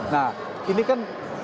nah ini kan